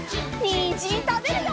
にんじんたべるよ！